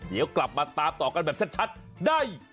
เดี๋ยวกลับมาตามต่อกันแบบชัดได้